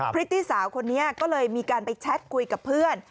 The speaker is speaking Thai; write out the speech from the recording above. พริตตี้สาวคนนี้ก็เลยมีการไปแชทคุยกับเพื่อน